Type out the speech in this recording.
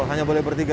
hanya boleh bertiga